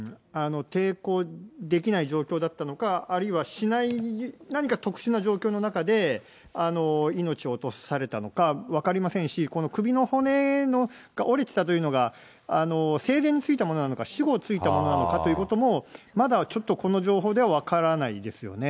抵抗できない状況だったのか、あるいはしない、何か特殊な状況の中で、命を落とされたのか分かりませんし、この首の骨が折れてたというのが、生前についたものなのか、死後ついたものなのかというのも、まだちょっとこの情報では分からないですよね。